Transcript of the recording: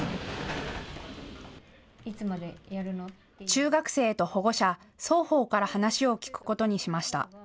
中学生と保護者、双方から話を聞くことにしました。